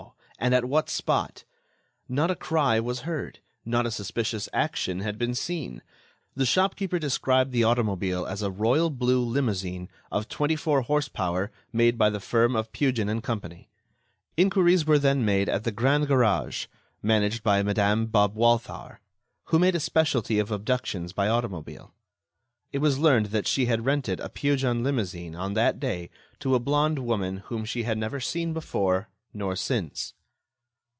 And at what spot? Not a cry was heard; not a suspicious action had been seen. The shopkeeper described the automobile as a royal blue limousine of twenty four horse power made by the firm of Peugeon & Co. Inquiries were then made at the Grand Garage, managed by Madame Bob Walthour, who made a specialty of abductions by automobile. It was learned that she had rented a Peugeon limousine on that day to a blonde woman whom she had never seen before nor since.